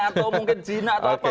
atau mungkin jinak atau apa